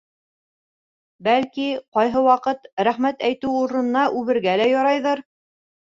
Бәлки, ҡайһы ваҡыт, рәхмәт әйтеү урынына, үбергә лә ярайҙыр.